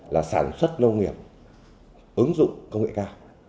là sản xuất nông nghiệp ứng dụng công nghệ cao